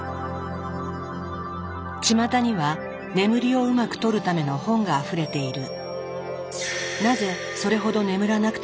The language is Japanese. ちまたには眠りをうまく取るための本があふれている。